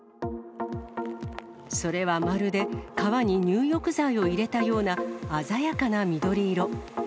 それはまるで川に入浴剤を入れたような、鮮やかな緑色。